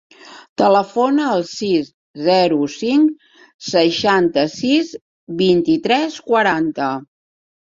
Telefona al sis, zero, cinc, seixanta-sis, vint-i-tres, quaranta.